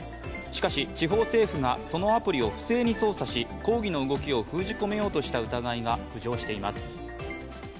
しかし、地方政府がそのアプリを不正に操作し、抗議の動きを封じ込めようとした疑いが浮上しています。